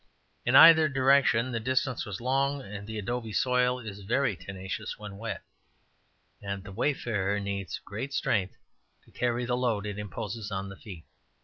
In either direction the distance was long, and the adobe soil is very tenacious when wet, and the wayfarer needs great strength to carry the load it imposes on the feet.